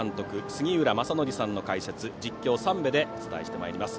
杉浦正則さんの解説実況、三瓶でお伝えします。